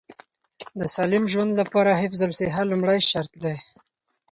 د سالم ژوند لپاره حفظ الصحه لومړی شرط دی.